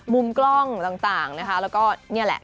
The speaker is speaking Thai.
มุมกล้องต่างนะคะแล้วก็นี่แหละ